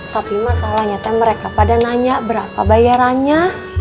tapi masalahnya teh mereka pada nanya berapa bayarannya